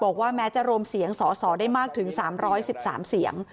แม้จะรวมเสียงสอสอได้มากถึง๓๑๓เสียง